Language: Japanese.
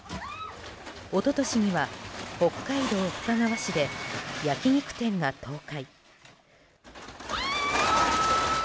一昨年には、北海道深川市で焼き肉店が倒壊。